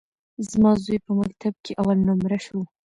زما زوى په مکتب کښي اول نؤمره سو.